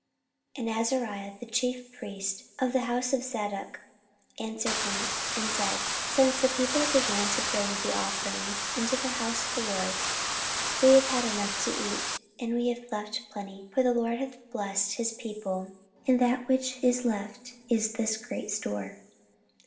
14:031:010 And Azariah the chief priest of the house of Zadok answered him, and said, Since the people began to bring the offerings into the house of the LORD, we have had enough to eat, and have left plenty: for the LORD hath blessed his people; and that which is left is this great store.